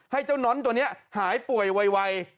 ให้เจ้าน้อนตัวนี้หายป่วยไว